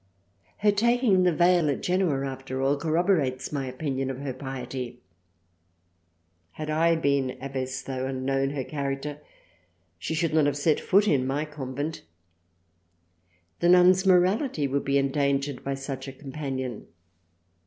Her taking the veil at Genoa after all corroborates my opinion of her Piety. Had I been Abbess tho' & known her Character she should not have set her foot in my Convent. The Nun's Morality would be endangered by such a Companion.